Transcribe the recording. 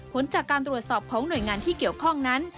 ผลจากการตรวจสอบของหน่วยงานที่เกี่ยวข้องนั้น